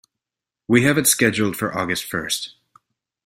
We have it scheduled for August first.